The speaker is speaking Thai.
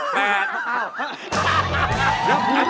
คุณเอ๋ครับ